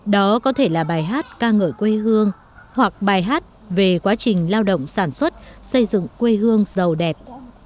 đó có thể là bài hát ca ngợi quê hương hoặc bài hát về quá trình lao động sản xuất xây dựng quê hương giàu đẹp